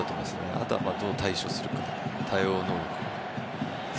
あとはどう対処するか、対応能力。